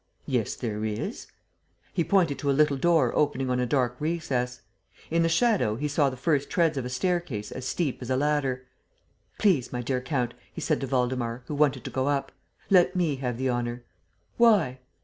"Yes, there is." He pointed to a little door opening on a dark recess. In the shadow, he saw the first treads of a staircase as steep as a ladder. "Please, my dear count," he said to Waldemar, who wanted to go up, "let me have the honor." "Why?"